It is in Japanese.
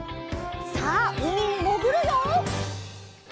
さあうみにもぐるよ！